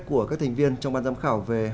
của các thành viên trong ban giám khảo về